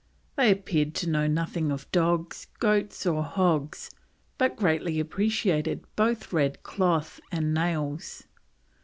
They appeared to know nothing of dogs, goats, or hogs, but greatly appreciated both red cloth and nails.